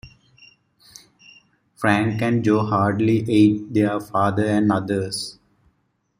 Frank and Joe Hardy aid their father and others.